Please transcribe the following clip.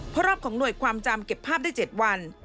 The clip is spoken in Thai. เพราะรอบของหน่วยความจำเก็บภาพได้๗วัน